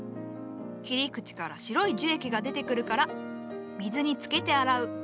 切り口から白い樹液が出てくるから水につけて洗う。